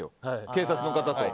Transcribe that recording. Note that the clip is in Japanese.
警察の方と。